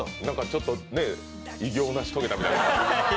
ちょっと偉業を成し遂げたみたいな。